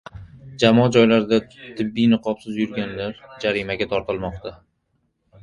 Jamoat joylarida tibbiy niqobsiz yurganlar jarimaga tortilmoqda